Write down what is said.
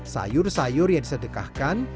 sayur sayur yang disedekahkan